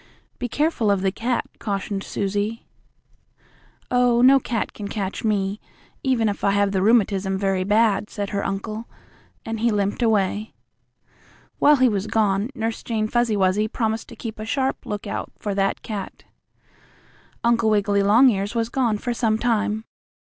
"Be careful of the cat," cautioned Susie. "Oh, no cat can catch me, even if I have the rheumatism very bad," said her uncle, and he limped away. While he was gone, Nurse Jane Fuzzy Wuzzy promised to keep a sharp lookout for that cat. Uncle Wiggily Longears was gone for some time.